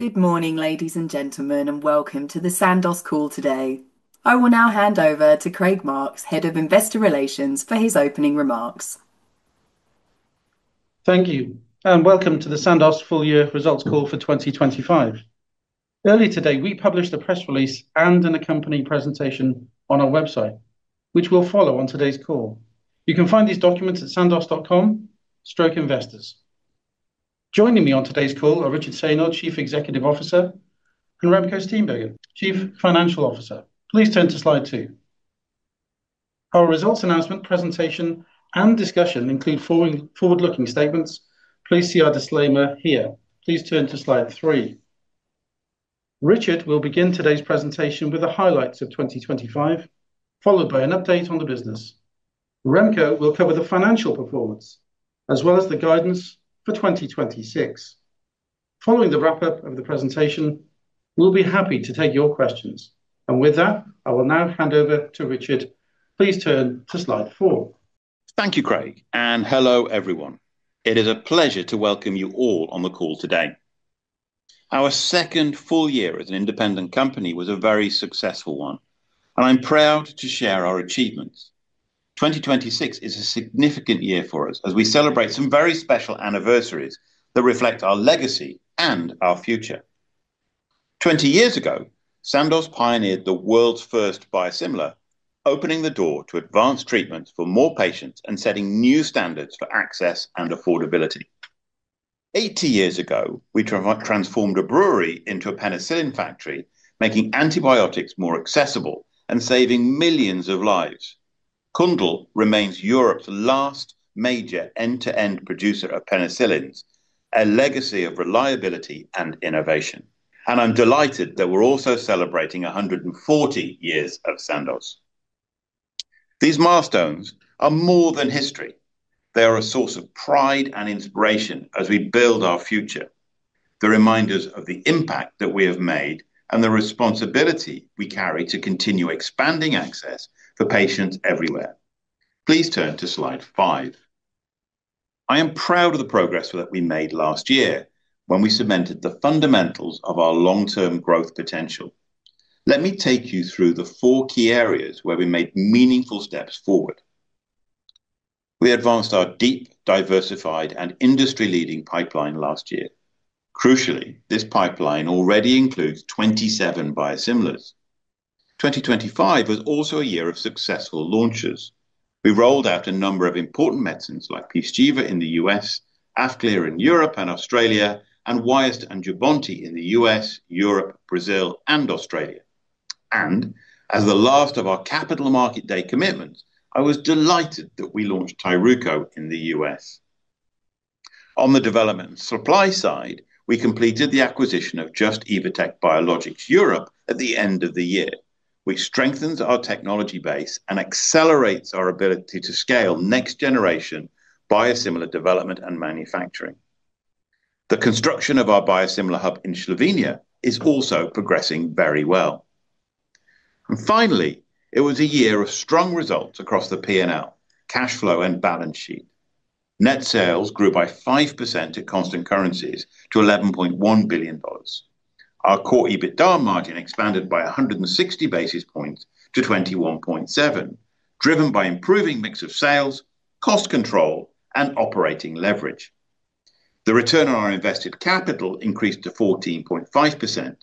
Good morning, ladies and gentlemen, and welcome to the Sandoz call today. I will now hand over to Craig Marks, Head of Investor Relations, for his opening remarks. Thank you, and welcome to the Sandoz full year results call for 2025. Earlier today, we published a press release and an accompanying presentation on our website, which will follow on today's call. You can find these documents at Sandoz.com/investors. Joining me on today's call are Richard Saynor, Chief Executive Officer, and Remco Steenbergen, Chief Financial Officer. Please turn to slide 2. Our results announcement presentation and discussion include forward-looking statements. Please see our disclaimer here. Please turn to slide 3. Richard will begin today's presentation with the highlights of 2025, followed by an update on the business. Remco will cover the financial performance as well as the guidance for 2026. Following the wrap-up of the presentation, we'll be happy to take your questions. With that, I will now hand over to Richard. Please turn to slide 4. Thank you, Craig. Hello, everyone. It is a pleasure to welcome you all on the call today. Our second full year as an independent company was a very successful one. I'm proud to share our achievements. 2026 is a significant year for us as we celebrate some very special anniversaries that reflect our legacy and our future. 20 years ago, Sandoz pioneered the world's first biosimilar, opening the door to advanced treatments for more patients and setting new standards for access and affordability. 80 years ago, we transformed a brewery into a penicillin factory, making antibiotics more accessible and saving millions of lives. Kundl remains Europe's last major end-to-end producer of penicillins, a legacy of reliability and innovation. I'm delighted that we're also celebrating 140 years of Sandoz. These milestones are more than history. They are a source of pride and inspiration as we build our future. They remind us of the impact that we have made and the responsibility we carry to continue expanding access for patients everywhere. Please turn to slide five. I am proud of the progress that we made last year when we cemented the fundamentals of our long-term growth potential. Let me take you through the four key areas where we made meaningful steps forward. We advanced our deep, diversified, and industry-leading pipeline last year. Crucially, this pipeline already includes 27 biosimilars. 2025 was also a year of successful launches. We rolled out a number of important medicines like Pyzchiva in the U.S., Afqlir in Europe and Australia, and Wyost and Jubbonti in the U.S., Europe, Brazil, and Australia. As the last of our capital market day commitments, I was delighted that we launched Tyruko in the U.S. On the development and supply side, we completed the acquisition of Just-Evotec Biologics E.U. SAS at the end of the year, which strengthens our technology base and accelerates our ability to scale next generation biosimilar development and manufacturing. The construction of our biosimilar hub in Slovenia is also progressing very well. Finally, it was a year of strong results across the P&L, cash flow, and balance sheet. Net sales grew by 5% at constant currencies to $11.1 billion. Our core EBITDA margin expanded by 160 basis points to 21.7%, driven by improving mix of sales, cost control, and operating leverage. The return on our invested capital increased to 14.5%,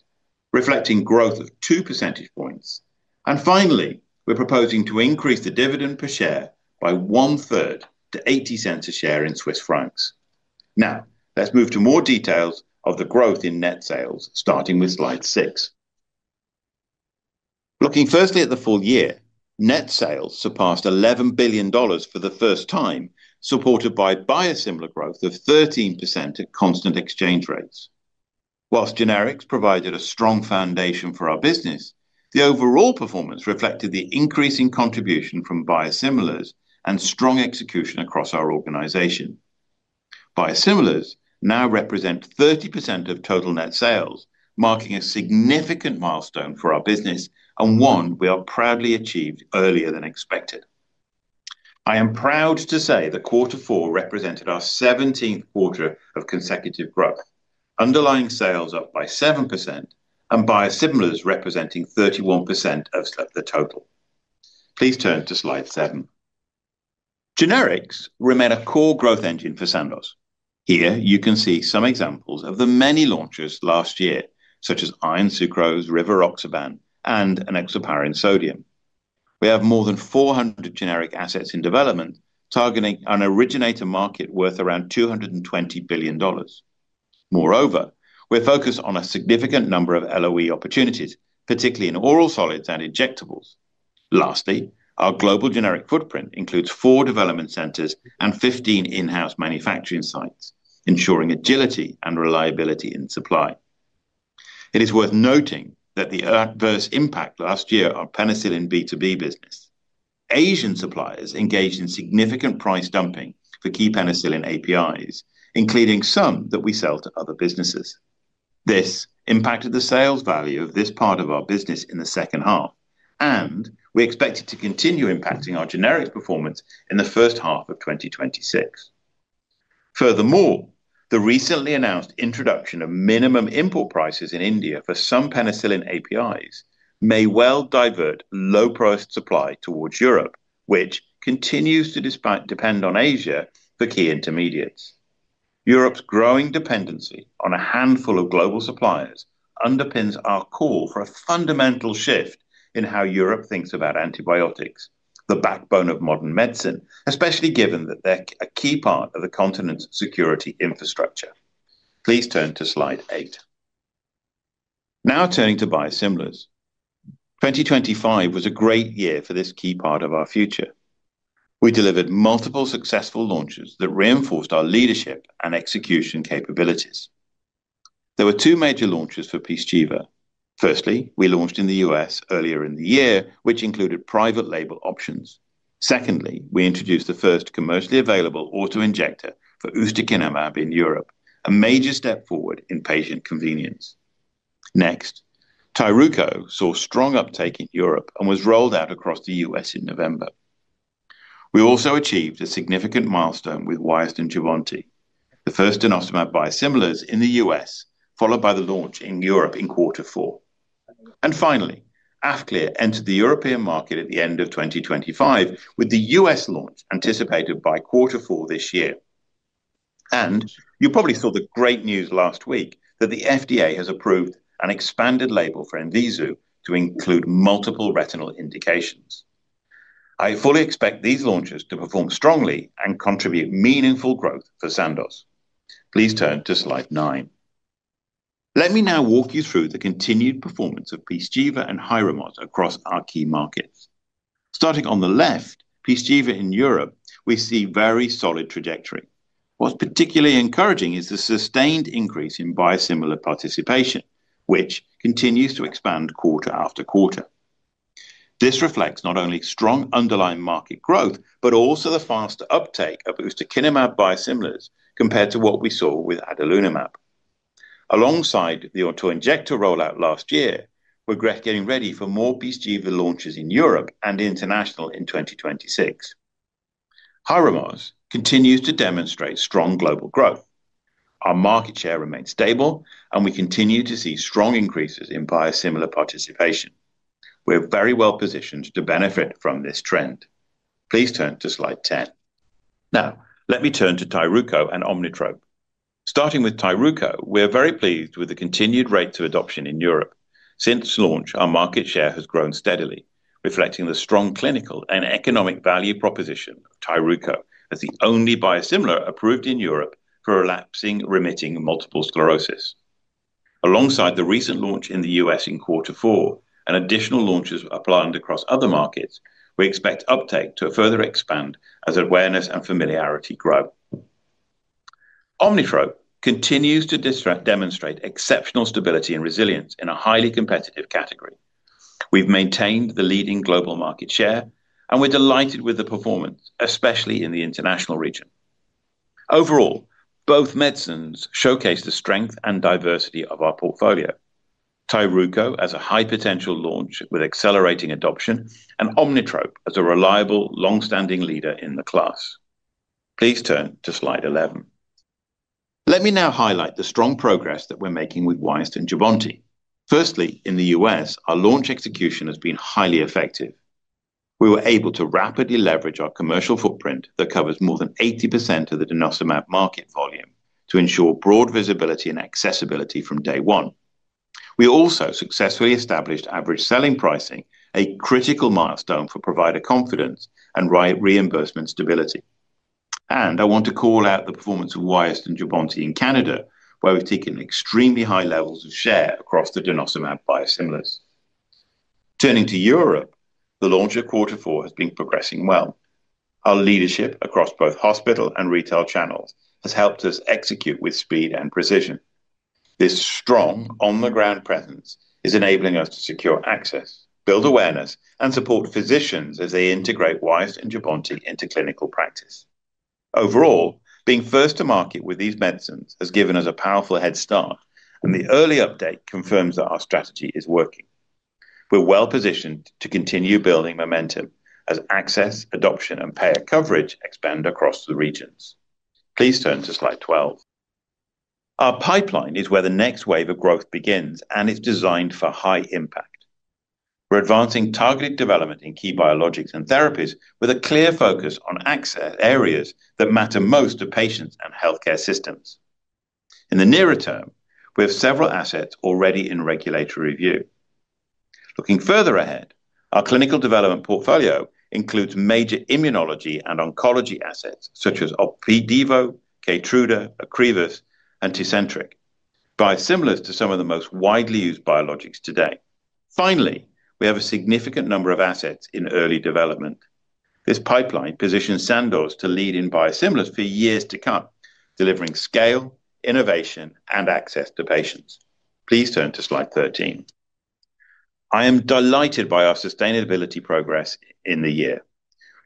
reflecting growth of 2 percentage points. Finally, we're proposing to increase the dividend per share by one-third to 0.80 a share in Swiss francs. Let's move to more details of the growth in net sales, starting with slide 6. Looking firstly at the full year, net sales surpassed $11 billion for the first time, supported by biosimilar growth of 13% at constant exchange rates. Whilst generics provided a strong foundation for our business, the overall performance reflected the increasing contribution from biosimilars and strong execution across our organization. Biosimilars now represent 30% of total net sales, marking a significant milestone for our business and one we are proudly achieved earlier than expected. I am proud to say that quarter four represented our 17th quarter of consecutive growth. Underlying sales up by 7% and biosimilars representing 31% of the total. Please turn to slide 7. Generics remain a core growth engine for Sandoz. Here you can see some examples of the many launches last year, such as iron sucrose, rivaroxaban, and enoxaparin sodium. We have more than 400 generic assets in development, targeting an originator market worth around $220 billion. We're focused on a significant number of LOE opportunities, particularly in oral solids and injectables. Our global generic footprint includes four development centers and 15 in-house manufacturing sites, ensuring agility and reliability in supply. It is worth noting that the adverse impact last year on penicillin B2B business. Asian suppliers engaged in significant price dumping for key penicillin APIs, including some that we sell to other businesses. This impacted the sales value of this part of our business in the second half. We expect it to continue impacting our generics performance in the first half of 2026. Furthermore, the recently announced introduction of minimum import prices in India for some penicillin APIs may well divert low-priced supply towards Europe, which continues to depend on Asia for key intermediates. Europe's growing dependency on a handful of global suppliers underpins our call for a fundamental shift in how Europe thinks about antibiotics, the backbone of modern medicine, especially given that they're a key part of the continent's security infrastructure. Please turn to slide 8. Now turning to biosimilars. 2025 was a great year for this key part of our future. We delivered multiple successful launches that reinforced our leadership and execution capabilities. There were two major launches for Pyzchiva. Firstly, we launched in the U.S. earlier in the year, which included private label options. Secondly, we introduced the first commercially available autoinjector for ustekinumab in Europe, a major step forward in patient convenience. Tyruko saw strong uptake in Europe and was rolled out across the U.S. in November. We also achieved a significant milestone with Wyost and Jubbonti, the first denosumab biosimilars in the U.S., followed by the launch in Europe in Q4. Afqlir entered the European market at the end of 2025, with the U.S. launch anticipated by quarter four this year. You probably saw the great news last week that the FDA has approved an expanded label for Enzeevu to include multiple retinal indications. I fully expect these launches to perform strongly and contribute meaningful growth for Sandoz. Please turn to slide 9. Let me now walk you through the continued performance of Pyzchiva and Hyrimoz across our key markets. Starting on the left, Pyzchiva in Europe, we see very solid trajectory. What's particularly encouraging is the sustained increase in biosimilar participation, which continues to expand quarter after quarter. This reflects not only strong underlying market growth, but also the faster uptake of ustekinumab biosimilars compared to what we saw with adalimumab. Alongside the autoinjector rollout last year, we're getting ready for more Pyzchiva launches in Europe and international in 2026. Hyrimoz continues to demonstrate strong global growth. Our market share remains stable, and we continue to see strong increases in biosimilar participation. We're very well positioned to benefit from this trend. Please turn to slide 10. Let me turn to Tyruko and Omnitrope. Starting with Tyruko, we're very pleased with the continued rate to adoption in Europe. Since launch, our market share has grown steadily, reflecting the strong clinical and economic value proposition of Tyruko as the only biosimilar approved in Europe for Relapsing-Remitting Multiple Sclerosis. Alongside the recent launch in the U.S. in quarter four and additional launches are planned across other markets, we expect uptake to further expand as awareness and familiarity grow. Omnitrope continues to demonstrate exceptional stability and resilience in a highly competitive category. We've maintained the leading global market share, and we're delighted with the performance, especially in the international region. Overall, both medicines showcase the strength and diversity of our portfolio. Tyruko, as a high potential launch with accelerating adoption, and Omnitrope as a reliable, long-standing leader in the class. Please turn to slide 11. Let me now highlight the strong progress that we're making with Wyost and Jubbonti. Firstly, in the U.S., our launch execution has been highly effective. We were able to rapidly leverage our commercial footprint that covers more than 80% of the denosumab market volume to ensure broad visibility and accessibility from day one. We also successfully established average selling pricing, a critical milestone for provider confidence and reimbursement stability. I want to call out the performance of Wyost and Jubbonti in Canada, where we've taken extremely high levels of share across the denosumab biosimilars. Turning to Europe, the launch of quarter four has been progressing well. Our leadership across both hospital and retail channels has helped us execute with speed and precision. This strong on-the-ground presence is enabling us to secure access, build awareness, and support physicians as they integrate Wyost and Jubbonti into clinical practice. Overall, being first to market with these medicines has given us a powerful head start. The early update confirms that our strategy is working. We're well positioned to continue building momentum as access, adoption, and payer coverage expand across the regions. Please turn to slide 12. Our pipeline is where the next wave of growth begins. It's designed for high impact. We're advancing targeted development in key biologics and therapies with a clear focus on access areas that matter most to patients and healthcare systems. In the nearer term, we have several assets already in regulatory review. Looking further ahead, our clinical development portfolio includes major immunology and oncology assets such as Opdivo, Keytruda, Akrivis, and Tecentriq, biosimilars to some of the most widely used biologics today. We have a significant number of assets in early development. This pipeline positions Sandoz to lead in biosimilars for years to come, delivering scale, innovation, and access to patients. Please turn to slide 13. I am delighted by our sustainability progress in the year.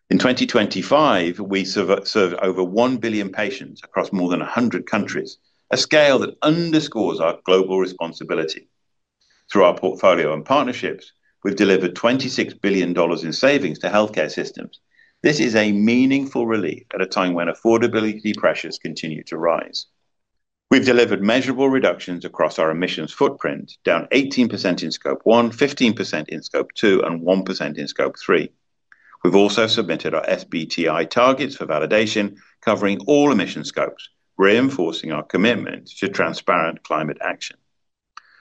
In 2025, we served over one billion patients across more than 100 countries, a scale that underscores our global responsibility. Through our portfolio and partnerships, we've delivered $26 billion in savings to healthcare systems. This is a meaningful relief at a time when affordability pressures continue to rise. We've delivered measurable reductions across our emissions footprint, down 18% in Scope 1, 15% in Scope 2, and 1% in Scope 3. We've also submitted our SBTi targets for validation, covering all emission scopes, reinforcing our commitment to transparent climate action.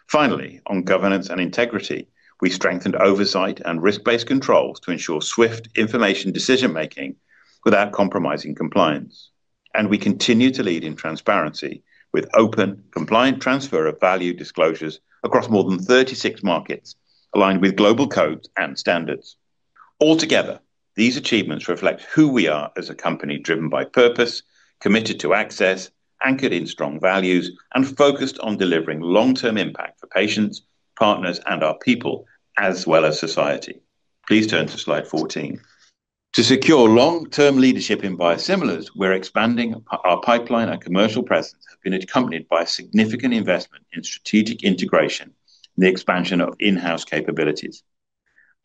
Finally, on governance and integrity, we strengthened oversight and risk-based controls to ensure swift information decision-making without compromising compliance, and we continue to lead in transparency with open, compliant transfer of value disclosures across more than 36 markets, aligned with global codes and standards. Altogether, these achievements reflect who we are as a company driven by purpose, committed to access, anchored in strong values, and focused on delivering long-term impact for patients, partners, and our people, as well as society. Please turn to slide 14. To secure long-term leadership in biosimilars, we're expanding our pipeline and commercial presence, have been accompanied by significant investment in strategic integration and the expansion of in-house capabilities.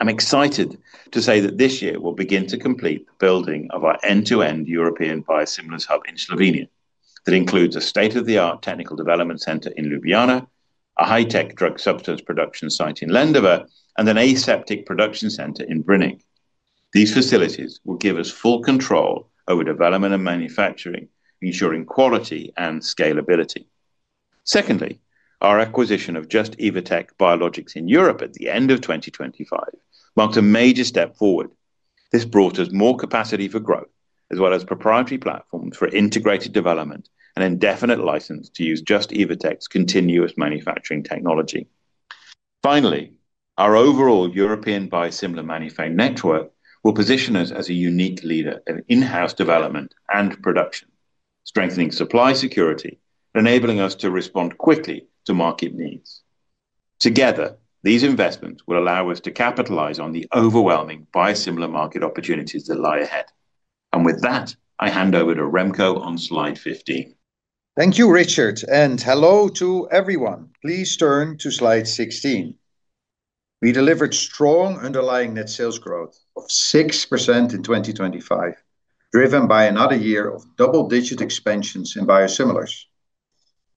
I'm excited to say that this year we'll begin to complete the building of our end-to-end European biosimilars hub in Slovenia. That includes a state-of-the-art technical development center in Ljubljana, a high-tech drug substance production site in Lendava, and an aseptic production center in Brnik. These facilities will give us full control over development and manufacturing, ensuring quality and scalability. Our acquisition of Just-Evotec Biologics in Europe at the end of 2025 marks a major step forward. This brought us more capacity for growth, as well as proprietary platforms for integrated development and indefinite license to use Just-Evotec's continuous manufacturing technology. Our overall European biosimilar manufacturing network will position us as a unique leader in in-house development and production, strengthening supply security, enabling us to respond quickly to market needs. Together, these investments will allow us to capitalize on the overwhelming biosimilar market opportunities that lie ahead. With that, I hand over to Remco on slide 15. Thank you, Richard, and hello to everyone. Please turn to slide 16. We delivered strong underlying net sales growth of 6% in 2025, driven by another year of double-digit expansions in biosimilars.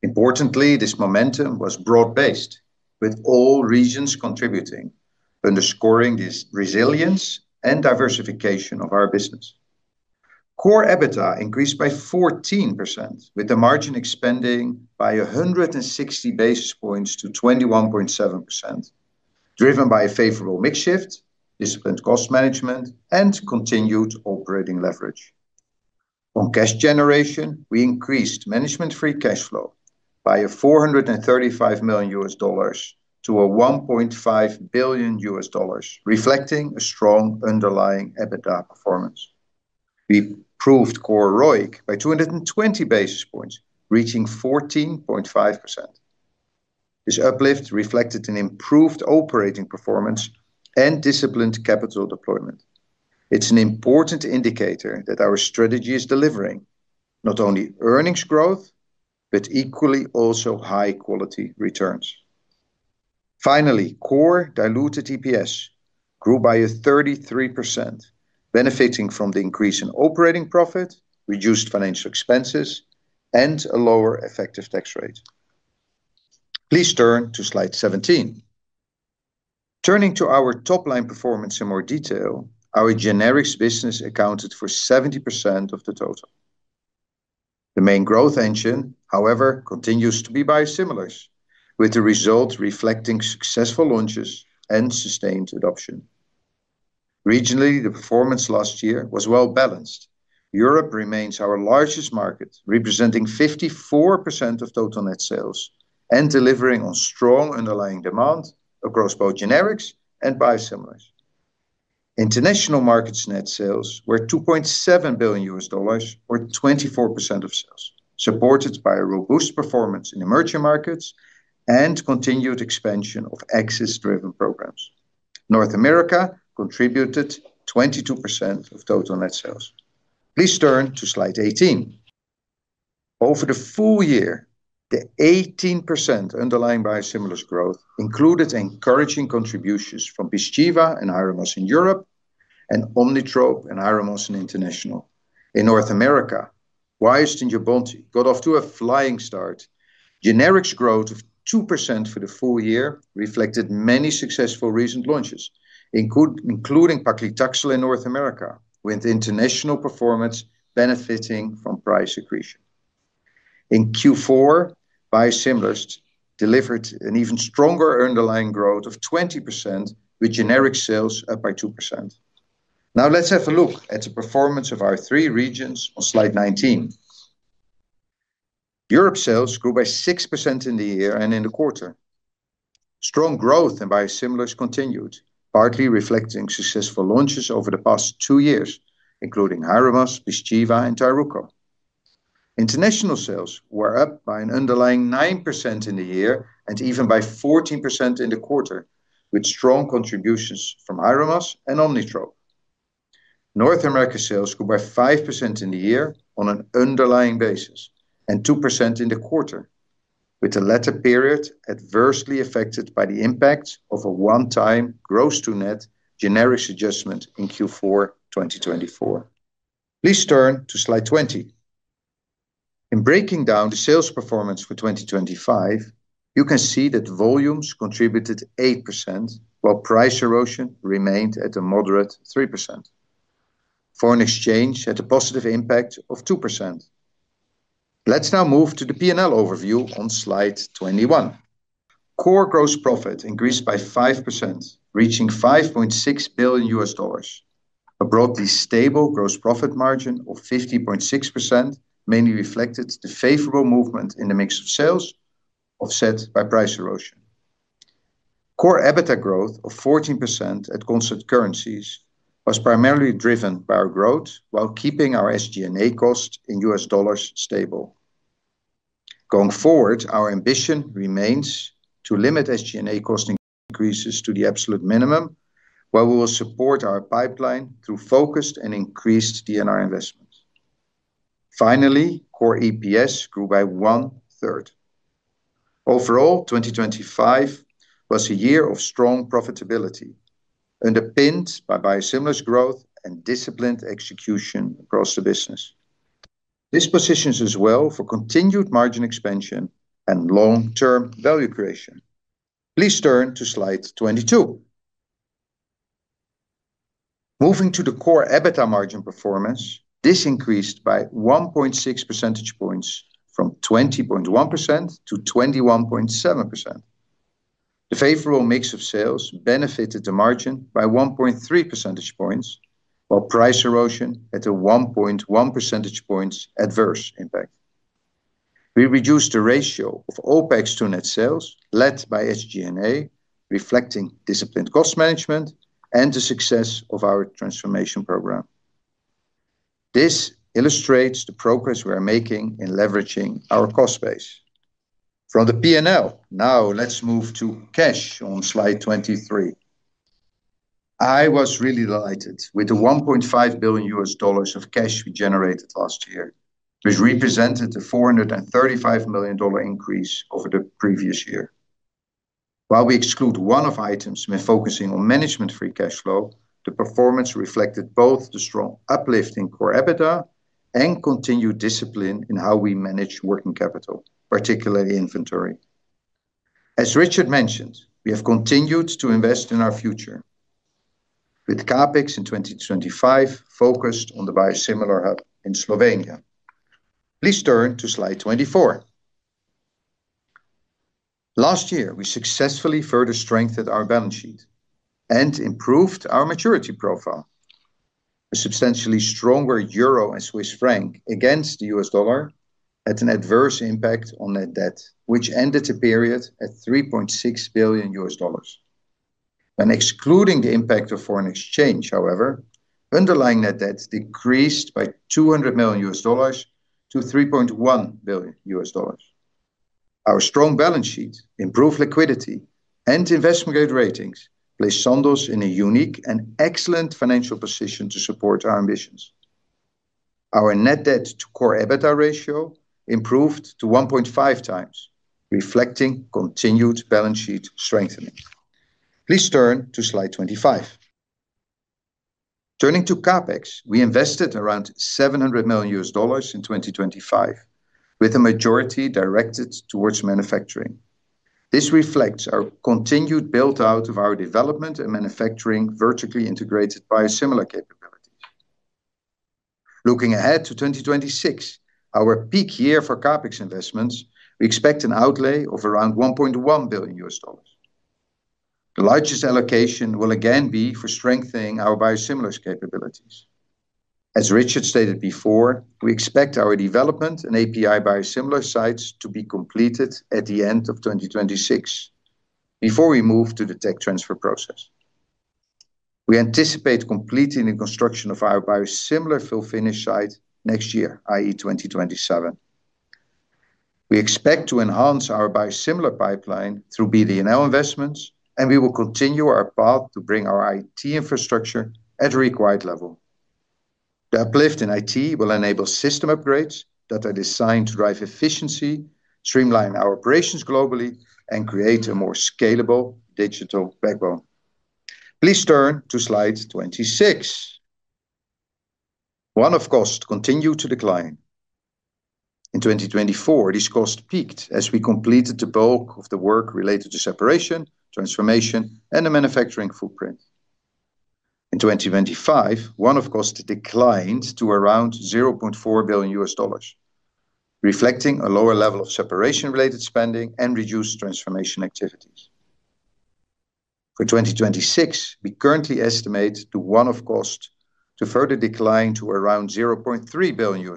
Importantly, this momentum was broad-based, with all regions contributing, underscoring this resilience and diversification of our business. Core EBITDA increased by 14%, with the margin expanding by 160 basis points to 21.7%, driven by a favorable mix shift, disciplined cost management, and continued operating leverage. On cash generation, we increased free cash flow by $435 million to $1.5 billion, reflecting a strong underlying EBITDA performance. We improved core ROIC by 220 basis points, reaching 14.5%. This uplift reflected an improved operating performance and disciplined capital deployment. It's an important indicator that our strategy is delivering not only earnings growth, but equally also high-quality returns. Finally, core diluted EPS grew by a 33%, benefiting from the increase in operating profit, reduced financial expenses, and a lower effective tax rate. Please turn to slide 17. Turning to our top-line performance in more detail, our generics business accounted for 70% of the total. The main growth engine, however, continues to be biosimilars, with the results reflecting successful launches and sustained adoption. Regionally, the performance last year was well-balanced. Europe remains our largest market, representing 54% of total net sales and delivering on strong underlying demand across both generics and biosimilars. International markets net sales were $2.7 billion, or 24% of sales, supported by a robust performance in emerging markets and continued expansion of access-driven programs. North America contributed 22% of total net sales. Please turn to slide 18. Over the full year, the 18% underlying biosimilars growth included encouraging contributions from Binocrit and Hyrimoz in Europe and Omnitrope and Hyrimoz in International. In North America, Wyost and Jubbonti got off to a flying start. Generics growth of 2% for the full year reflected many successful recent launches, including paclitaxel in North America, with international performance benefiting from price accretion. In Q4, biosimilars delivered an even stronger underlying growth of 20%, with generic sales up by 2%. Let's have a look at the performance of our three regions on slide 19. Europe sales grew by 6% in the year and in the quarter. Strong growth in biosimilars continued, partly reflecting successful launches over the past two years, including Hyrimoz, Binocrit, and Tyruco. International sales were up by an underlying 9% in the year, even by 14% in the quarter, with strong contributions from Hyrimoz and Omnitrope. North America sales grew by 5% in the year on an underlying basis, 2% in the quarter, with the latter period adversely affected by the impact of a one-time gross-to-net generics adjustment in Q4 2024. Please turn to Slide 20. In breaking down the sales performance for 2025, you can see that volumes contributed 8%, while price erosion remained at a moderate 3%. Foreign exchange had a positive impact of 2%. Let's now move to the P&L overview on Slide 21. Core gross profit increased by 5%, reaching $5.6 billion. A broadly stable gross profit margin of 50.6%, mainly reflected the favorable movement in the mix of sales, offset by price erosion. Core EBITDA growth of 14% at constant currencies was primarily driven by our growth, while keeping our SG&A cost in U.S. dollars stable. Going forward, our ambition remains to limit SG&A cost increases to the absolute minimum, while we will support our pipeline through focused and increased R&D investments. Finally, core EPS grew by one-third. Overall, 2025 was a year of strong profitability, underpinned by biosimilars growth and disciplined execution across the business. This positions us well for continued margin expansion and long-term value creation. Please turn to Slide 22. Moving to the core EBITDA margin performance, this increased by 1.6 percentage points from 20.1%-21.7%. The favorable mix of sales benefited the margin by 1.3 percentage points, while price erosion at a 1.1 percentage points adverse impact. We reduced the ratio of OpEx to net sales, led by SG&A, reflecting disciplined cost management and the success of our transformation program. This illustrates the progress we are making in leveraging our cost base. From the P&L, now let's move to cash on Slide 23. I was really delighted with the $1.5 billion of cash we generated last year, which represented a $435 million increase over the previous year. While we exclude one-off items when focusing on Free Cash Flow, the performance reflected both the strong uplift in core EBITDA and continued discipline in how we manage working capital, particularly inventory. As Richard mentioned, we have continued to invest in our future, with CapEx in 2025 focused on the biosimilar hub in Slovenia. Please turn to Slide 24. Last year, we successfully further strengthened our balance sheet and improved our maturity profile. A substantially stronger euro and Swiss franc against the U.S. dollar had an adverse impact on net debt, which ended the period at $3.6 billion. When excluding the impact of foreign exchange, however, underlying net debt decreased by $200 million to $3.1 billion. Our strong balance sheet, improved liquidity, and investment-grade ratings place Sandoz in a unique and excellent financial position to support our ambitions. Our net debt to core EBITDA ratio improved to 1.5 times, reflecting continued balance sheet strengthening. Please turn to Slide 25. Turning to CapEx, we invested around $700 million in 2025, with a majority directed towards manufacturing. This reflects our continued build-out of our development and manufacturing, vertically integrated biosimilar capabilities. Looking ahead to 2026, our peak year for CapEx investments, we expect an outlay of around $1.1 billion. The largest allocation will again be for strengthening our biosimilars capabilities. As Richard stated before, we expect our development and API biosimilar sites to be completed at the end of 2026, before we move to the tech transfer process. We anticipate completing the construction of our biosimilar fill-finish site next year, i.e., 2027. We expect to enhance our biosimilar pipeline through BD&L investments, we will continue our path to bring our IT infrastructure at a required level. The uplift in IT will enable system upgrades that are designed to drive efficiency, streamline our operations globally, and create a more scalable digital backbone. Please turn to Slide 26. One-off costs continue to decline. In 2024, these costs peaked as we completed the bulk of the work related to separation, transformation, and the manufacturing footprint. In 2025, one-off costs declined to around $0.4 billion, reflecting a lower level of separation-related spending and reduced transformation activities. For 2026, we currently estimate the one-off cost to further decline to around $0.3 billion.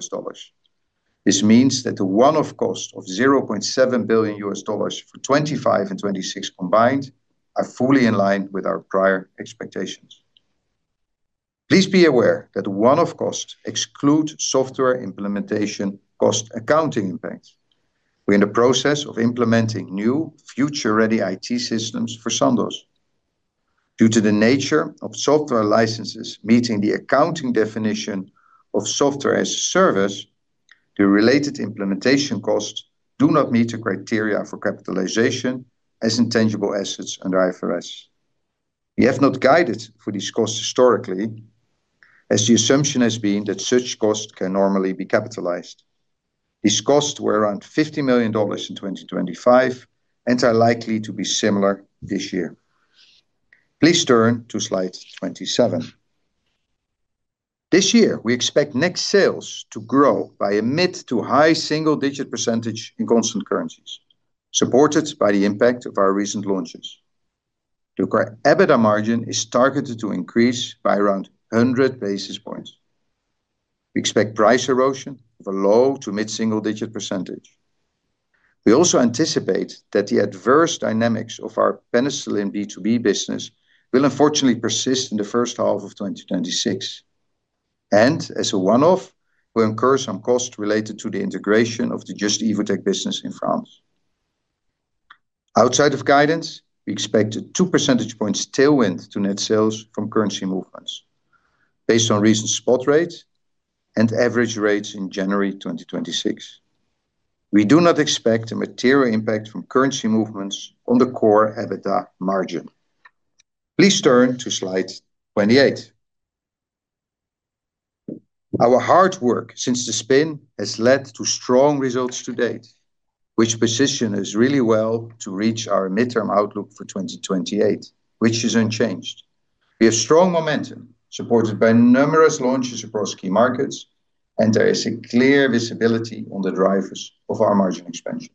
This means that the one-off cost of $0.7 billion for 25 and 26 combined are fully in line with our prior expectations. Please be aware that one-off costs exclude software implementation cost accounting impacts. We're in the process of implementing new future-ready IT systems for Sandoz. Due to the nature of software licenses meeting the accounting definition of Software as a Service, the related implementation costs do not meet the criteria for capitalization as intangible assets under IFRS. We have not guided for these costs historically, as the assumption has been that such costs can normally be capitalized. These costs were around $50 million in 2025 and are likely to be similar this year. Please turn to slide 27. This year, we expect net sales to grow by a mid to high single-digit % in constant currencies, supported by the impact of our recent launches. The EBITA margin is targeted to increase by around 100 basis points. We expect price erosion of a low to mid single-digit %. We also anticipate that the adverse dynamics of our penicillin B2B business will unfortunately persist in the first half of 2026, and as a one-off, we'll incur some costs related to the integration of the Just-Evotec business in France. Outside of guidance, we expect a 2 percentage points tailwind to net sales from currency movements based on recent spot rates and average rates in January 2026. We do not expect a material impact from currency movements on the core EBITA margin. Please turn to slide 28. Our hard work since the spin has led to strong results to date, which positions us really well to reach our midterm outlook for 2028, which is unchanged. We have strong momentum, supported by numerous launches across key markets, there is a clear visibility on the drivers of our margin expansion.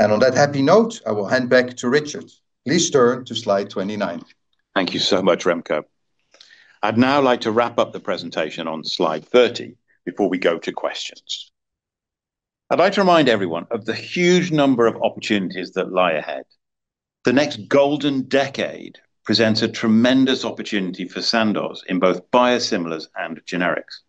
On that happy note, I will hand back to Richard. Please turn to slide 29. Thank you so much, Remco. I'd now like to wrap up the presentation on slide 30 before we go to questions. I'd like to remind everyone of the huge number of opportunities that lie ahead. The next golden decade presents a tremendous opportunity for Sandoz in both biosimilars and generics.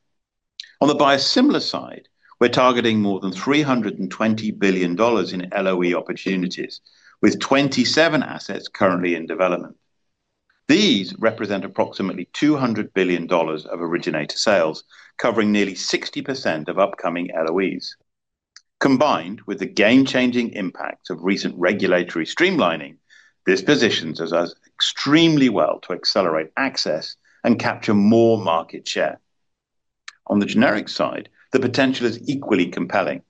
On the biosimilar side, we're targeting more than $320 billion in LOE opportunities, with 27 assets currently in development. These represent approximately $200 billion of originator sales, covering nearly 60% of upcoming LOEs. Combined with the game-changing impacts of recent regulatory streamlining, this positions us extremely well to accelerate access and capture more market share. On the generic side, the potential is equally compelling.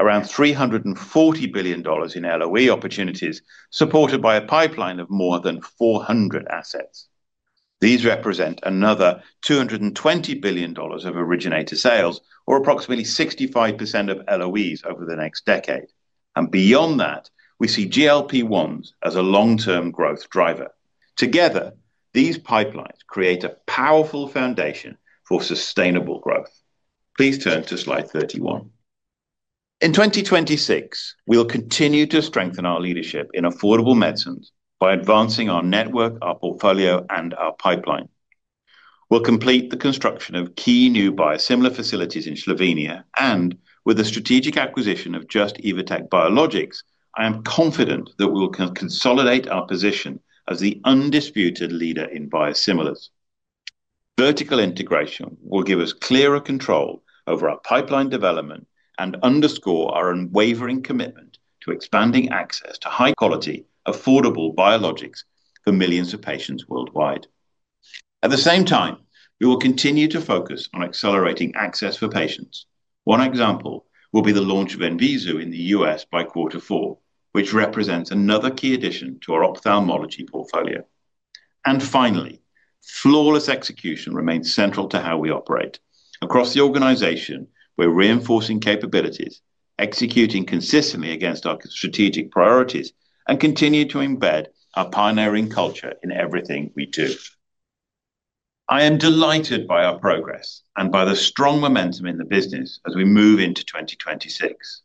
Around $340 billion in LOE opportunities, supported by a pipeline of more than 400 assets. These represent another $220 billion of originator sales or approximately 65% of LOEs over the next decade. Beyond that, we see GLP-1s as a long-term growth driver. Together, these pipelines create a powerful foundation for sustainable growth. Please turn to slide 31. In 2026, we will continue to strengthen our leadership in affordable medicines by advancing our network, our portfolio, and our pipeline. We'll complete the construction of key new biosimilar facilities in Slovenia. With the strategic acquisition of Just-Evotec Biologics, I am confident that we will consolidate our position as the undisputed leader in biosimilars. Vertical integration will give us clearer control over our pipeline development and underscore our unwavering commitment to expanding access to high-quality, affordable biologics for millions of patients worldwide. At the same time, we will continue to focus on accelerating access for patients. One example will be the launch of Enzeevu in the U.S. by quarter four, which represents another key addition to our ophthalmology portfolio. Finally, flawless execution remains central to how we operate. Across the organization, we're reinforcing capabilities, executing consistently against our strategic priorities, and continue to embed our pioneering culture in everything we do. I am delighted by our progress and by the strong momentum in the business as we move into 2026.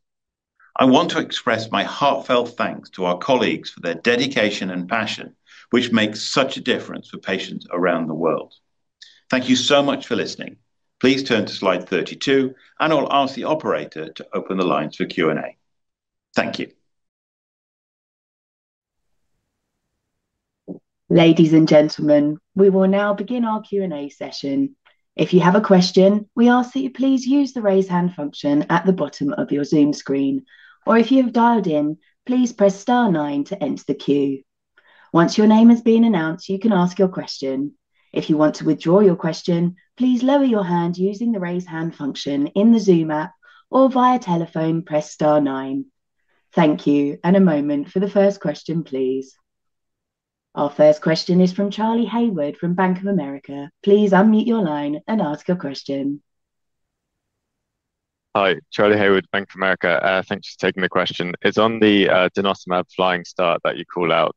I want to express my heartfelt thanks to our colleagues for their dedication and passion, which makes such a difference for patients around the world. Thank you so much for listening. Please turn to slide 32, I'll ask the operator to open the lines for Q&A. Thank you. Ladies and gentlemen, we will now begin our Q&A session. If you have a question, we ask that you please use the Raise Hand function at the bottom of your Zoom screen, or if you have dialed in, please press star nine to enter the queue. Once your name has been announced, you can ask your question. If you want to withdraw your question, please lower your hand using the Raise Hand function in the Zoom app or via telephone press star nine. Thank you. A moment for the first question, please. Our first question is from Charlie Haywood from Bank of America. Please unmute your line and ask your question. Hi, Charlie Haywood, Bank of America. Thanks for taking the question. It's on the denosumab flying start that you call out.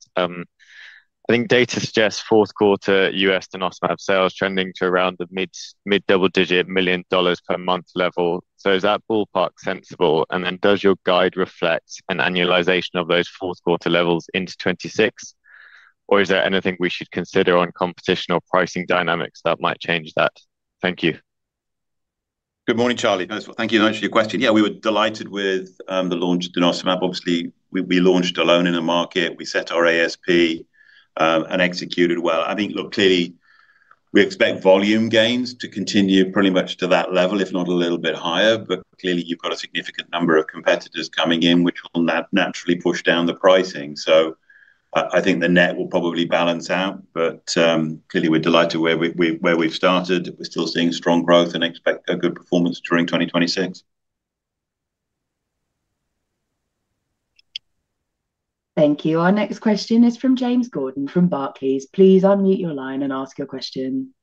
I think data suggests fourth quarter U.S. denosumab sales trending to around the mid-double-digit million dollars per month level. Is that ballpark sensible? Does your guide reflect an annualization of those fourth quarter levels into 2026, or is there anything we should consider on competition or pricing dynamics that might change that? Thank you. Good morning, Charlie. First of all, thank you very much for your question. Yeah, we were delighted with the launch of denosumab. Obviously, we launched alone in the market. We set our ASP and executed well. I think, look, clearly, we expect volume gains to continue pretty much to that level, if not a little bit higher. Clearly, you've got a significant number of competitors coming in, which will naturally push down the pricing. I think the net will probably balance out, but, clearly, we're delighted where we, where we've started. We're still seeing strong growth and expect a good performance during 2026. Thank you. Our next question is from James Gordon from Barclays. Please unmute your line and ask your question.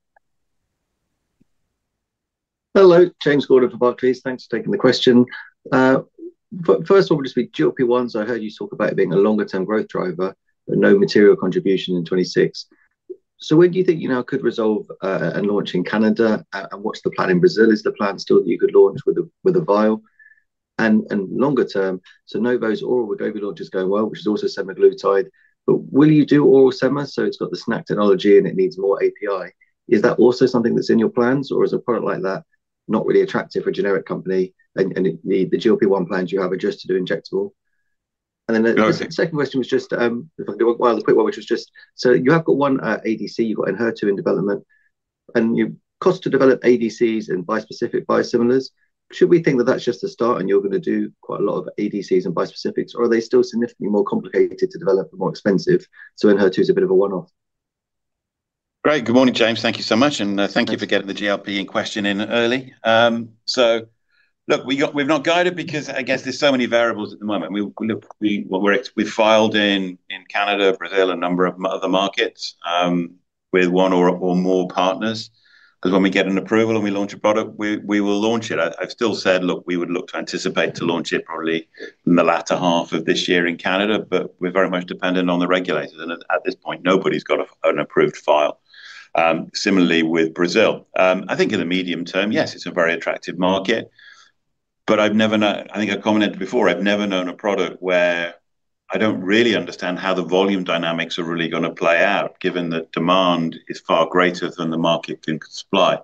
Hello, James Gordon from Barclays. Thanks for taking the question. First of all, just with GLP-1, I heard you talk about it being a longer-term growth driver, but no material contribution in 26. When do you think you now could resolve a launch in Canada, and what's the plan in Brazil? Is the plan still that you could launch with a vial? And longer term, Novo's oral Wegovy launch is going well, which is also semaglutide. Will you do oral sema? It's got the SNAC technology, and it needs more API. Is that also something that's in your plans, or is a product like that not really attractive for a generic company, and the GLP-1 plans you have are just to do injectable? No. Second question was just, if I could do a quick one, which was just so you have got one ADC, you've got ENHERTU in development, and cost to develop ADCs and bispecific biosimilars. Should we think that that's just a start, and you're gonna do quite a lot of ADCs and bispecifics, or are they still significantly more complicated to develop and more expensive? ENHERTU is a bit of a one-off. Great. Good morning, James. Thank you so much. Thank you for getting the GLP question in early. Look, we've not guided because I guess there's so many variables at the moment. We've filed in Canada, Brazil, a number of other markets with one or more partners, because when we get an approval and we launch a product, we will launch it. I've still said, look, we would look to anticipate to launch it probably in the latter half of this year in Canada, but we're very much dependent on the regulators, and at this point, nobody's got an approved file. Similarly with Brazil. I think in the medium term, yes, it's a very attractive market, but I think I commented before, I've never known a product where I don't really understand how the volume dynamics are really gonna play out, given that demand is far greater than the market can supply.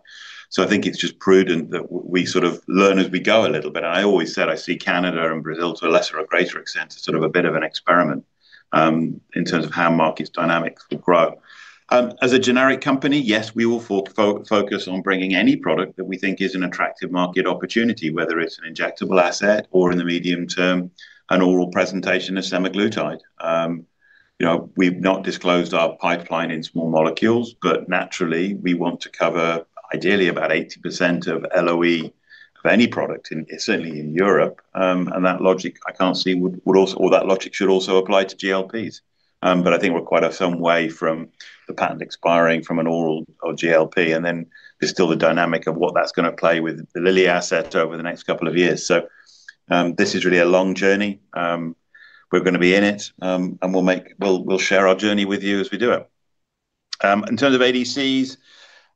I think it's just prudent that we sort of learn as we go a little bit. I always said I see Canada and Brazil, to a lesser or greater extent, as sort of a bit of an experiment, in terms of how markets dynamics will grow. As a generic company, yes, we will focus on bringing any product that we think is an attractive market opportunity, whether it's an injectable asset or, in the medium term, an oral presentation of semaglutide. You know, we've not disclosed our pipeline in small molecules, but naturally, we want to cover ideally about 80% of LOE of any product in, certainly in Europe. That logic, I can't see, should also apply to GLPs. I think we're quite some way from the patent expiring from an oral or GLP, and then there's still the dynamic of what that's gonna play with the Lilly asset over the next couple of years. This is really a long journey. We're gonna be in it, we'll share our journey with you as we do it. In terms of ADCs,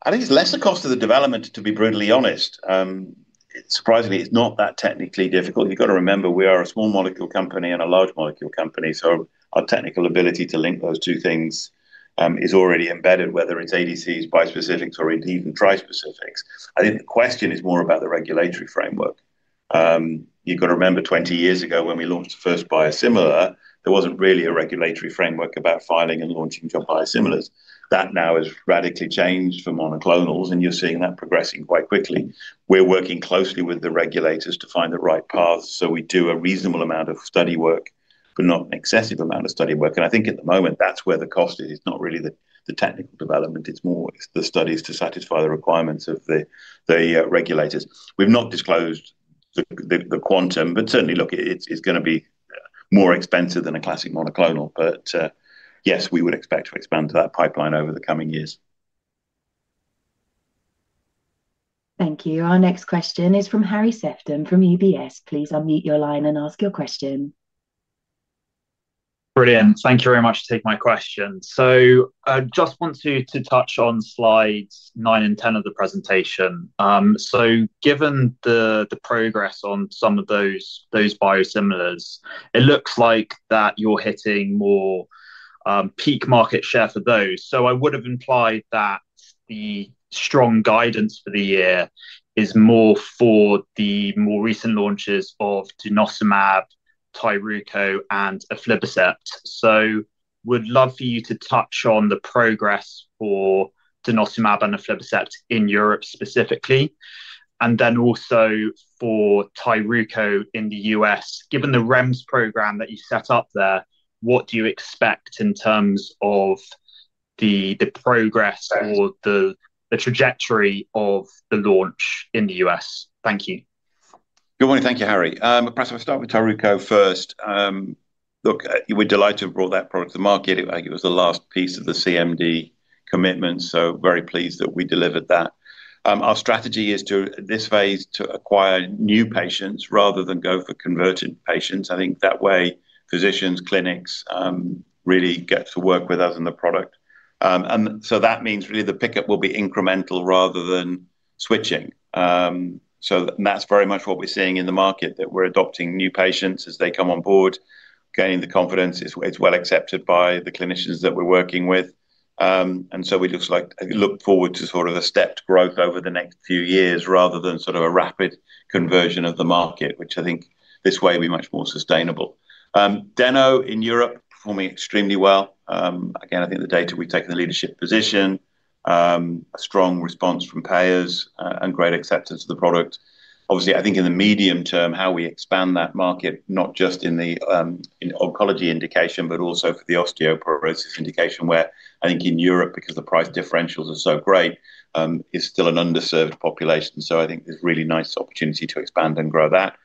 I think it's less the cost of the development, to be brutally honest. Surprisingly, it's not that technically difficult. You've got to remember, we are a small molecule company and a large molecule company, so our technical ability to link those two things, is already embedded, whether it's ADCs, bispecifics, or indeed even trispecifics. I think the question is more about the regulatory framework. You've got to remember, 20 years ago, when we launched the first biosimilar, there wasn't really a regulatory framework about filing and launching for biosimilars. That now has radically changed for monoclonals, and you're seeing that progressing quite quickly. We're working closely with the regulators to find the right path, so we do a reasonable amount of study work, but not an excessive amount of study work. I think at the moment, that's where the cost is. It's not really the technical development, it's more the studies to satisfy the requirements of the regulators. We've not disclosed the quantum, but certainly, look, it's gonna be more expensive than a classic monoclonal. Yes, we would expect to expand that pipeline over the coming years. Thank you. Our next question is from Harry Sephton, from UBS. Please unmute your line and ask your question. Brilliant. Thank you very much to take my question. I just want to touch on slides 9 and 10 of the presentation. Given the progress on some of those biosimilars, it looks like that you're hitting more peak market share for those. I would have implied that the strong guidance for the year is more for the more recent launches of denosumab, Tyruko, and aflibercept. Would love for you to touch on the progress for denosumab and aflibercept in Europe specifically, and then also for Tyruko in the U.S. Given the REMS program that you set up there, what do you expect in terms of the progress or the trajectory of the launch in the U.S.? Thank you. Good morning. Thank you, Harry. Perhaps if I start with Tyruko first. Look, we're delighted to have brought that product to market. I think it was the last piece of the CMD commitment, so very pleased that we delivered that. Our strategy is to, at this phase, to acquire new patients rather than go for converted patients. I think that way, physicians, clinics, really get to work with us on the product. That means really the pickup will be incremental rather than switching. That's very much what we're seeing in the market, that we're adopting new patients as they come on board, gaining the confidence. It's well accepted by the clinicians that we're working with. It looks like look forward to sort of a stepped growth over the next few years, rather than sort of a rapid conversion of the market, which I think this way will be much more sustainable. Dano in Europe, performing extremely well. Again, I think the data we've taken a leadership position, a strong response from payers, and great acceptance of the product. Obviously, I think in the medium term, how we expand that market, not just in the oncology indication, but also for the osteoporosis indication, where I think in Europe, because the price differentials are so great, is still an underserved population. I think there's really nice opportunity to expand and grow that.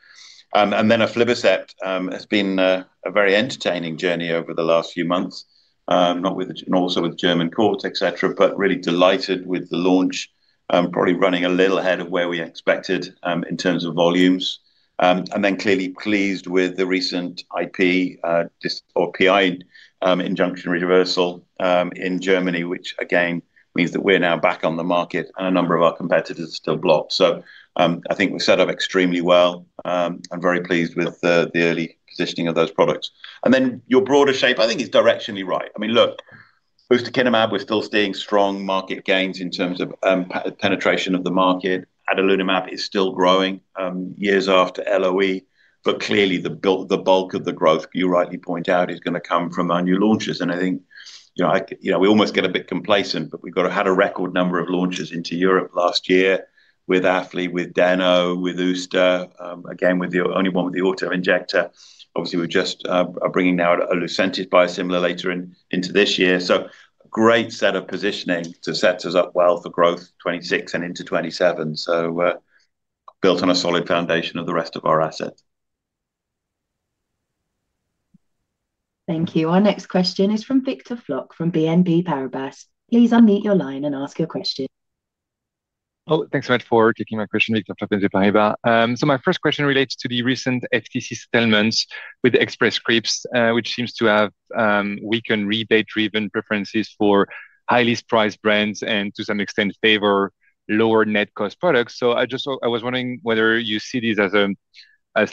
Aflibercept has been a very entertaining journey over the last few months, also with German courts, et cetera, but really delighted with the launch, probably running a little ahead of where we expected in terms of volumes. Clearly pleased with the recent IP or PI injunction reversal in Germany, which again, means that we're now back on the market and a number of our competitors are still blocked. I think we're set up extremely well. I'm very pleased with the early positioning of those products. Your broader shape, I think is directionally right. I mean, look, ustekinumab, we're still seeing strong market gains in terms of penetration of the market. Adalimumab is still growing, years after LOE, but clearly, the bulk of the growth, you rightly point out, is going to come from our new launches. I think, you know, we almost get a bit complacent, but we've got to have a record number of launches into Europe last year with Athli, with Dano, with Usta, again, with the only one with the autoinjector. Obviously, we're just bringing now a Lucentis biosimilar later into this year. A great set of positioning to set us up well for growth 26 and into 27. Built on a solid foundation of the rest of our assets. Thank you. Our next question is from Florent Cespedes from BNP Paribas. Please unmute your line and ask your question. Thanks so much for taking my question, Florent Cespedes from BNP Paribas. My first question relates to the recent FTC settlements with Express Scripts, which seems to have weakened rebate-driven preferences for highly prized brands and to some extent, favor lower net cost products. I just, I was wondering whether you see this as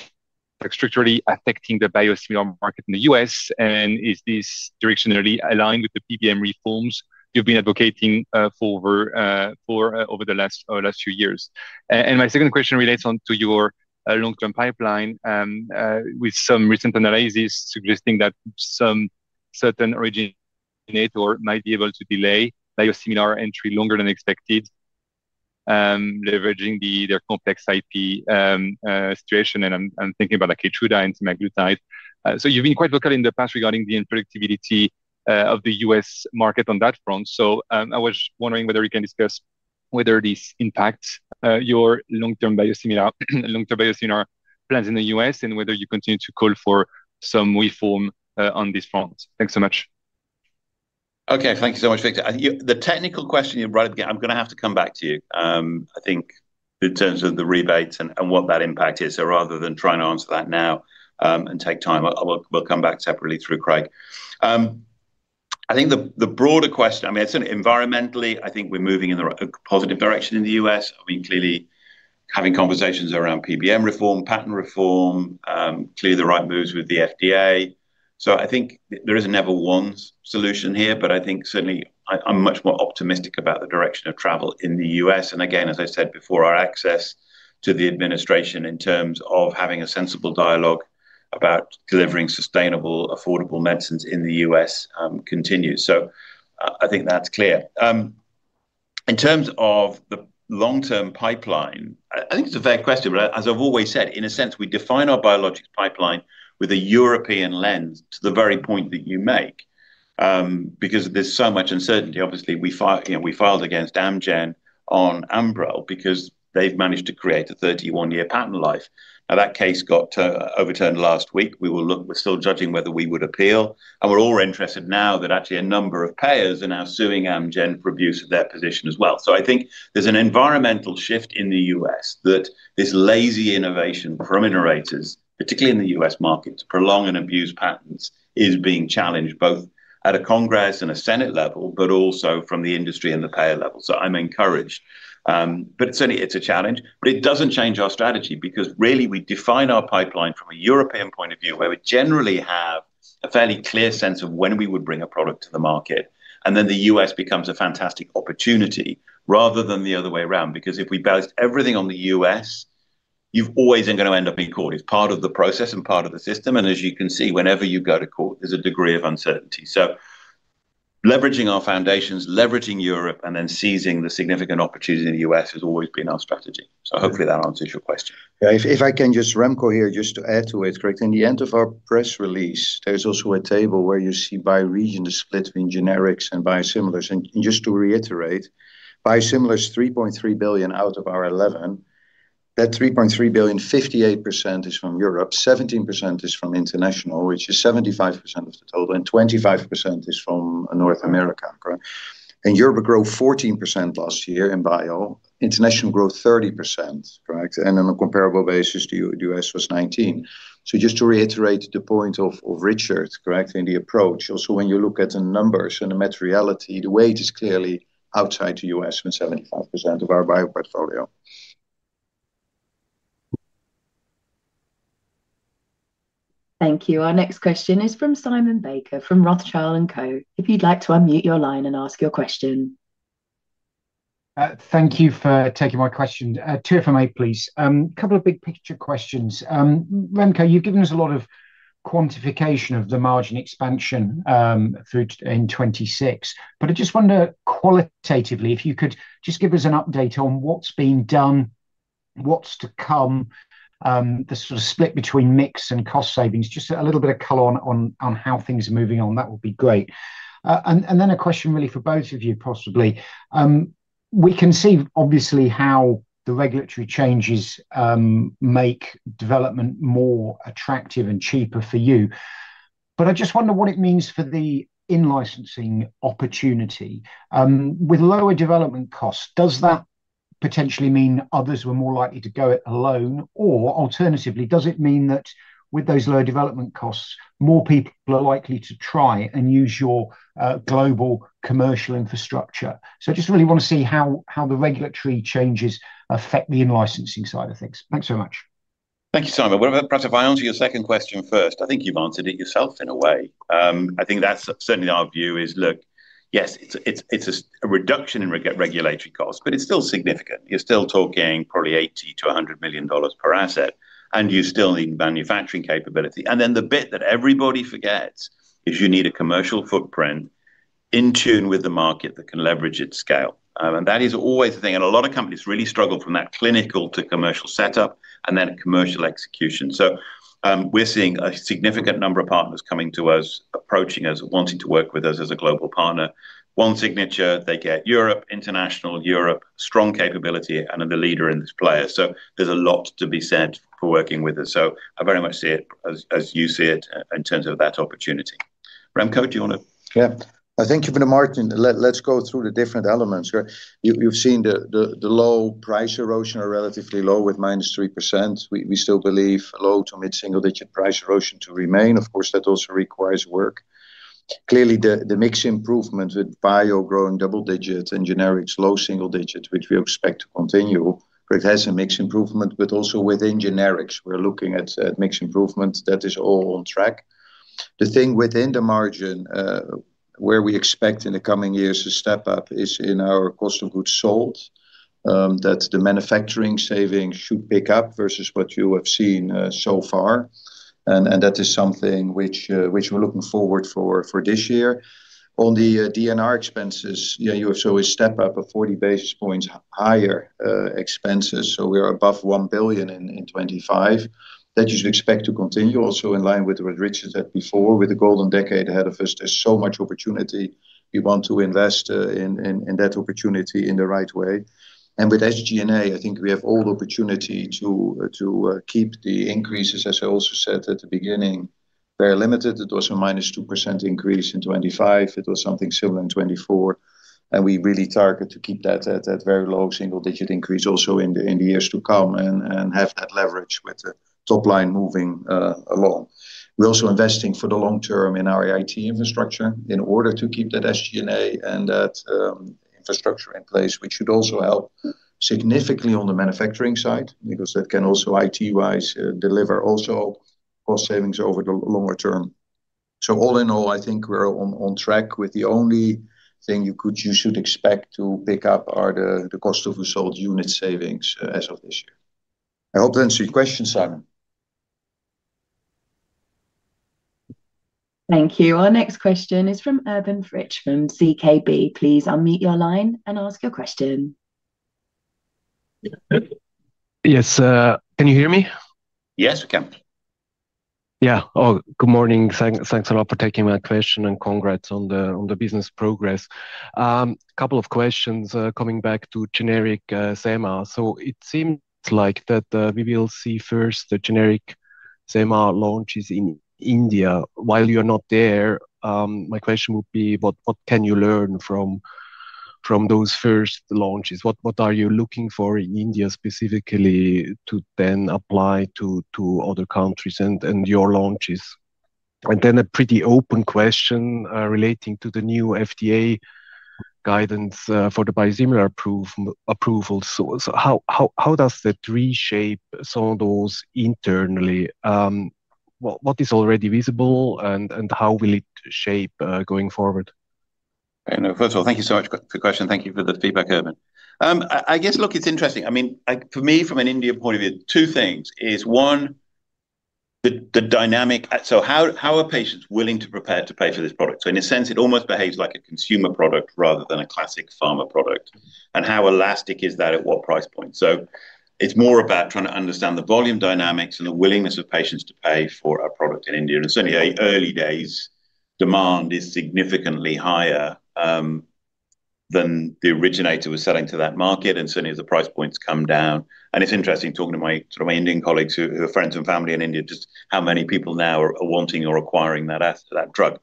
structurally affecting the biosimilar market in the U.S., and is this directionally aligned with the PBM reforms you've been advocating for over the last few years? My second question relates on to your long-term pipeline, with some recent analysis suggesting that some certain originator might be able to delay biosimilar entry longer than expected, leveraging their complex IP situation. I'm thinking about Aklytuda and semaglutide. You've been quite vocal in the past regarding the unpredictability of the U.S. market on that front. I was wondering whether you can discuss whether this impacts your long-term biosimilar plans in the U.S. and whether you continue to call for some reform on this front. Thanks so much. Thank you so much, Florent. I think the technical question you brought up, I'm going to have to come back to you in terms of the rebates and what that impact is. Rather than trying to answer that now and take time, we'll come back separately through Craig. I think the broader question, I mean, it's an environmentally, we're moving in the positive direction in the U.S. I mean, clearly having conversations around PBM reform, patent reform, clearly the right moves with the FDA. I think there is an ever one solution here, but I think certainly, I'm much more optimistic about the direction of travel in the U.S. Again, as I said before, our access to the administration in terms of having a sensible dialogue about delivering sustainable, affordable medicines in the U.S. continues. I think that's clear. In terms of the long-term pipeline, I think it's a fair question, but as I've always said, in a sense, we define our biologics pipeline with a European lens to the very point that you make, because there's so much uncertainty. Obviously, we file, you know, we filed against Amgen on Enbrel because they've managed to create a 31-year patent life. That case got overturned last week. We're still judging whether we would appeal, and we're all interested now that actually a number of payers are now suing Amgen for abuse of their position as well. I think there's an environmental shift in the U.S. that this lazy innovation from innovators, particularly in the U.S. market, to prolong and abuse patents, is being challenged both at a Congress and a Senate level, but also from the industry and the payer level. I'm encouraged. Certainly it's a challenge, but it doesn't change our strategy, because really, we define our pipeline from a European point of view, where we generally have a fairly clear sense of when we would bring a product to the market, and then the U.S. becomes a fantastic opportunity rather than the other way around. If we based everything on the U.S., you've always are going to end up being caught. It's part of the process and part of the system, and as you can see, whenever you go to court, there's a degree of uncertainty. Leveraging our foundations, leveraging Europe, and then seizing the significant opportunity in the U.S. has always been our strategy. Hopefully that answers your question. Remco here, just to add to it. In the end of our press release, there's also a table where you see by region, the split between generics and biosimilars. Just to reiterate, biosimilars, $3.3 billion out of our $11 billion. That $3.3 billion, 58% is from Europe, 17% is from International, which is 75% of the total, and 25% is from North America. Europe grew 14% last year in bio, International growth, 30%. On a comparable basis, the U.S. was 19%. Just to reiterate the point of Richard, in the approach, also, when you look at the numbers and the materiality, the weight is clearly outside the U.S., with 75% of our bio portfolio. Thank you. Our next question is from Simon Baker from Rothschild & Co. If you'd like to unmute your line and ask your question. Thank you for taking my question. Two if I may, please. Couple of big picture questions. Remco, you've given us a lot of quantification of the margin expansion in 2026, but I just wonder qualitatively if you could just give us an update on what's being done, what's to come, the sort of split between mix and cost savings, just a little bit of color on how things are moving on. That would be great. Then a question really for both of you, possibly. We can see obviously how the regulatory changes make development more attractive and cheaper for you, but I just wonder what it means for the in-licensing opportunity. With lower development costs, does that potentially mean others were more likely to go it alone? Alternatively, does it mean that with those lower development costs, more people are likely to try and use your global commercial infrastructure? I just really want to see how the regulatory changes affect the in-licensing side of things. Thanks so much. Thank you, Simon. Well, perhaps if I answer your second question first, I think you've answered it yourself in a way. I think that's certainly our view is, look, yes, it's a reduction in regulatory costs, it's still significant. You're still talking probably $80 million-$100 million per asset, you still need manufacturing capability. The bit that everybody forgets is you need a commercial footprint in tune with the market that can leverage its scale. That is always the thing, a lot of companies really struggle from that clinical to commercial setup and then commercial execution. We're seeing a significant number of partners coming to us, approaching us, wanting to work with us as a global partner. One signature, they get Europe, International Europe, strong capability, and are the leader in this player. There's a lot to be said for working with us. I very much see it as you see it in terms of that opportunity. Remco, do you want to- Yeah. I thank you for the margin. Let's go through the different elements. You've seen the low price erosion are relatively low, with -3%. We still believe low to mid-single-digit price erosion to remain. Of course, that also requires work. Clearly, the mix improvement with bio growing double digits and generics low single digits, which we expect to continue. It has a mix improvement, but also within generics, we're looking at mix improvements. That is all on track. The thing within the margin, where we expect in the coming years to step up, is in our cost of goods sold, that the manufacturing savings should pick up versus what you have seen so far, and that is something which we're looking forward for this year. On the R&D expenses, you also step up of 40 basis points higher expenses, so we are above $1 billion in 2025. That you should expect to continue also in line with what Richard said before, with a golden decade ahead of us, there's so much opportunity we want to invest in that opportunity in the right way. With SG&A, I think we have all the opportunity to keep the increases, as I also said at the beginning, very limited. It was a -2% increase in 2025. It was something similar in 2024, and we really target to keep that at that very low single-digit increase also in the years to come and have that leverage with the top line moving along. We're also investing for the long term in our IT infrastructure in order to keep that SG&A and that infrastructure in place, which should also help significantly on the manufacturing side, because that can also, IT-wise, deliver also cost savings over the longer term. All in all, I think we're on track with the only thing you should expect to pick up are the cost of sold unit savings as of this year. I hope that answered your question, Simon. Thank you. Our next question is from Urban Fritsche, from ZKB. Please unmute your line and ask your question. Yes. Can you hear me? Yes, we can. Good morning. Thanks a lot for taking my question, and congrats on the business progress. Couple of questions, coming back to generic Ozempic. It seems like that we will see first the generic Ozempic launches in India. While you're not there, my question would be: what can you learn from those first launches? What are you looking for in India specifically, to then apply to other countries and your launches? A pretty open question, relating to the new FDA guidance for the biosimilar approval. How does that reshape Sandoz internally? What is already visible, and how will it shape going forward? I know. First of all, thank you so much for the question. Thank you for the feedback, Urban. I guess, look, it's interesting. I mean, for me, from an India point of view, two things is, one, the dynamic. How are patients willing to prepare to pay for this product? In a sense, it almost behaves like a consumer product rather than a classic pharma product. How elastic is that at what price point? It's more about trying to understand the volume dynamics and the willingness of patients to pay for our product in India. Certainly, early days, demand is significantly higher than the originator was selling to that market, and certainly, the price points come down. It's interesting talking to my Indian colleagues who have friends and family in India, just how many people now are wanting or acquiring that drug.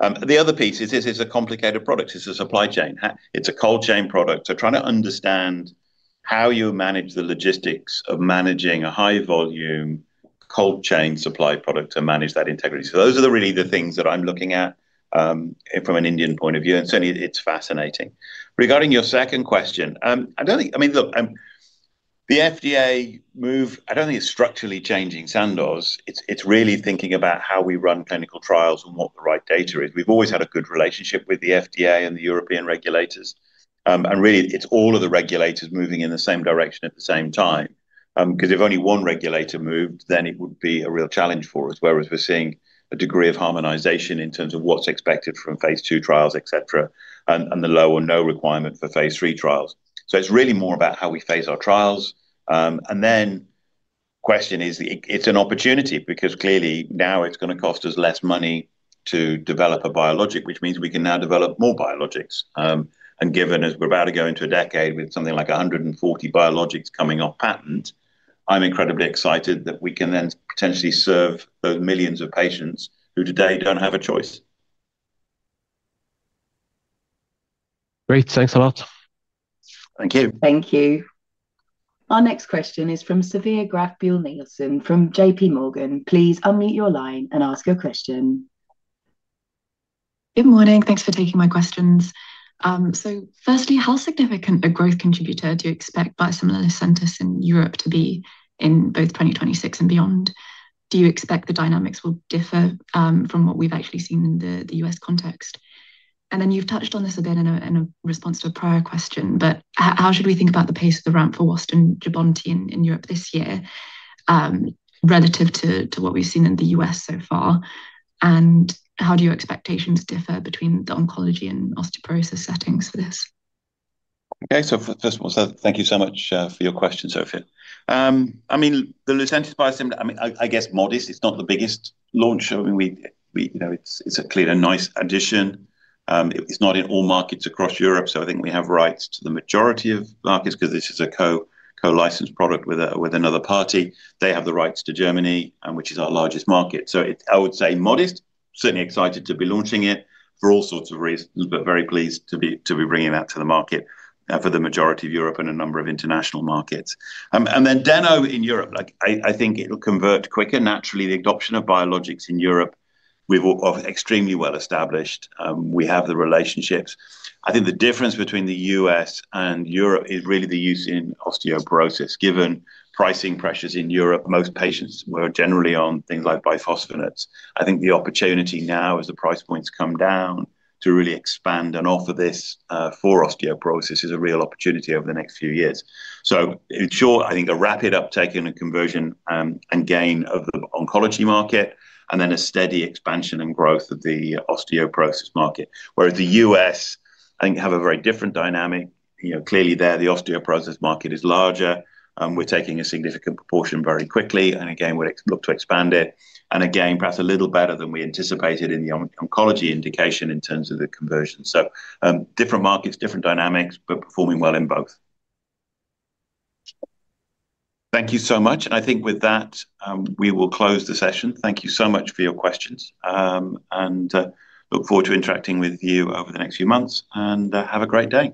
The other piece is this is a complicated product. It's a supply chain. It's a cold chain product, so trying to understand how you manage the logistics of managing a high-volume, cold chain supply product to manage that integrity. Those are the really the things that I'm looking at from an Indian point of view, and certainly, it's fascinating. Regarding your second question, I mean, look, the FDA move, I don't think it's structurally changing Sandoz. It's really thinking about how we run clinical trials and what the right data is. We've always had a good relationship with the FDA and the European regulators, really, it's all of the regulators moving in the same direction at the same time. If only one regulator moved, then it would be a real challenge for us, whereas we're seeing a degree of harmonization in terms of what's expected from phase two trials, et cetera, and the low or no requirement for phase three trials. It's really more about how we phase our trials. Then question is, it's an opportunity, because clearly now it's gonna cost us less money to develop a biologic, which means we can now develop more biologics. Given as we're about to go into a decade with something like 140 biologics coming off patent, I'm incredibly excited that we can then potentially serve those millions of patients who today don't have a choice. Great. Thanks a lot. Thank you. Thank you. Our next question is from Sophia Graf-Buhl Nielsen from J.P. Morgan. Please unmute your line and ask your question. Good morning. Thanks for taking my questions. Firstly, how significant a growth contributor do you expect biosimilar Lucentis in Europe to be in both 2026 and beyond? Do you expect the dynamics will differ from what we've actually seen in the U.S. context? Then you've touched on this a bit in a, in a response to a prior question, but how should we think about the pace of the ramp for Wyost and Jubbonti in Europe this year, relative to what we've seen in the U.S. so far? How do your expectations differ between the oncology and osteoporosis settings for this? Okay. First, thank you so much for your question, Sophia. I mean, the Lucentis, I guess modest, it's not the biggest launch showing. We, you know, it's a clear, a nice addition. It's not in all markets across Europe, so I think we have rights to the majority of markets because this is a co-licensed product with another party. They have the rights to Germany, which is our largest market. I would say modest, certainly excited to be launching it for all sorts of reasons, but very pleased to be bringing that to the market for the majority of Europe and a number of international markets. Denos in Europe, like, I think it'll convert quicker. Naturally, the adoption of biologics in Europe, we've extremely well established. We have the relationships. I think the difference between the U.S. and Europe is really the use in osteoporosis. Given pricing pressures in Europe, most patients were generally on things like bisphosphonates. I think the opportunity now, as the price points come down, to really expand and offer this for osteoporosis is a real opportunity over the next few years. In short, I think a rapid uptake and a conversion and gain of the oncology market, and then a steady expansion and growth of the osteoporosis market. The U.S., I think, have a very different dynamic. You know, clearly there, the osteoporosis market is larger, and we're taking a significant proportion very quickly, and again, we look to expand it, and again, perhaps a little better than we anticipated in the oncology indication in terms of the conversion. Different markets, different dynamics, but performing well in both. Thank you so much. I think with that, we will close the session. Thank you so much for your questions. Look forward to interacting with you over the next few months. Have a great day.